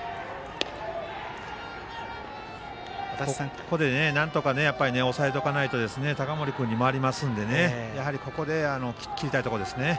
ここでなんとか抑えておかないと高森君に回りますのでここで切りたいところですね。